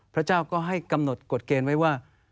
พระเจ้าก็ให้กำหนดกฎเกณฑ์ไว้ว่า